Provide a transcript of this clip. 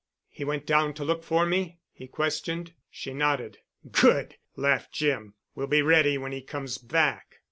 "He went down to look for me?" he questioned. She nodded. "Good," laughed Jim. "We'll be ready when he comes back."